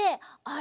あ！